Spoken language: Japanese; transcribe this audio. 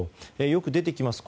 よく出てきます